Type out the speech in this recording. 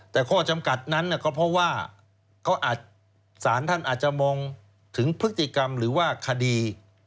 แต่ข้อจำกัดนั้นก็เพราะว่าสารท่านอาจจะมองถึงพฤติกรรมหรือว่าคดี